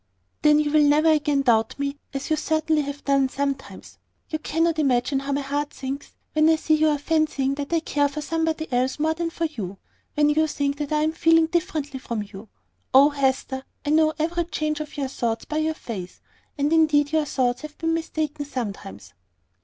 "Then you will never again doubt me, as you certainly have done sometimes. You cannot imagine how my heart sinks when I see you are fancying that I care for somebody else more than for you; when you think that I am feeling differently from you. Oh, Hester, I know every change of your thoughts by your face; and indeed your thoughts have been mistaken sometimes."